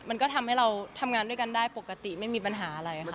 มันก็ทำให้เราทำงานด้วยกันได้ปกติไม่มีปัญหาอะไรค่ะ